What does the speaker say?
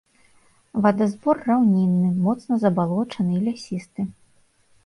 Вадазбор раўнінны, моцна забалочаны і лясісты.